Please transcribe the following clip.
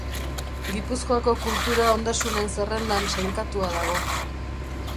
Gipuzkoako kultura ondasunen zerrendan sailkatua dago.